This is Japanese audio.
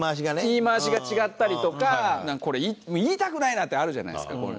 言い回しが違ったりとかなんかこれ言いたくないなってあるじゃないですか。